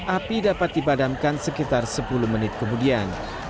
api dapat dipadamkan sekitar sepuluh menit kemudian